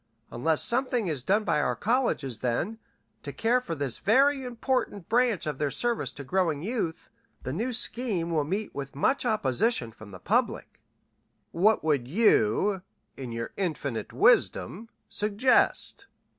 Unless something is done by our colleges, then, to care for this very important branch of their service to growing youth, the new scheme will meet with much opposition from the public." "What would you, in your infinite wisdom, suggest?"